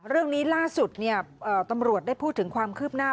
เรื่องนี้ล่าสุดตำรวจได้พูดถึงความคืบหน้า